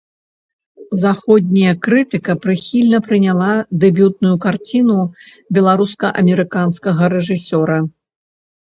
Заходняя крытыка прыхільна прыняла дэбютную карціну беларуска-амерыканскага рэжысёра.